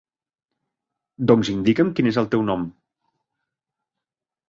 Doncs indica'm quin és el teu nom.